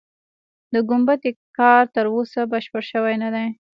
د ګومبتې کار تر اوسه بشپړ شوی نه دی.